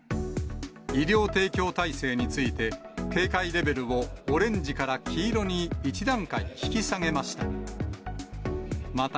医療提供体制について、警戒レベルをオレンジから黄色に１段階引き下げました。